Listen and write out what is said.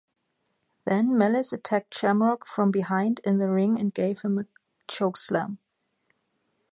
Then Malice attacked Shamrock from behind in the ring and gave him a chokeslam.